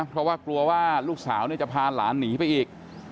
เพราะว่ากลัวว่าลูกสาวจะพาหลานหนีไปอีก